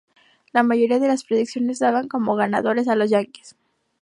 La mayoría de las predicciones daban como ganadores a los Yanquis.